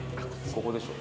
ここでしょう